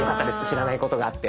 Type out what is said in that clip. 知らないことがあって。